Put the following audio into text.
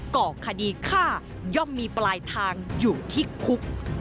ก่อคดีฆ่าย่อมมีปลายทางอยู่ที่คุก